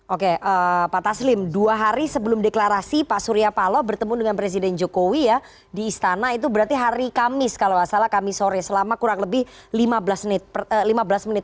oke pak taslim dua hari sebelum deklarasi pak surya paloh bertemu dengan presiden jokowi ya di istana itu berarti hari kamis kalau tidak salah kami sore selama kurang lebih lima belas menit